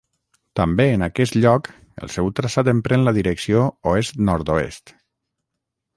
També en aquest lloc el seu traçat emprèn la direcció oest-nord-oest.